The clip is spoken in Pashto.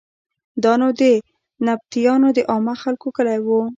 دا نو د نبطیانو د عامو خلکو کلی و.